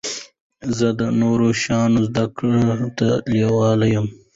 زه د نوو شیانو زده کړي ته لېواله يم.